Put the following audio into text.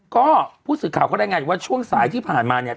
ก็ผู้สื่อข่าวก็ได้ไงว่าช่วงสายที่ผ่านมาเนี่ย